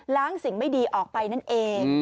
สิ่งไม่ดีออกไปนั่นเอง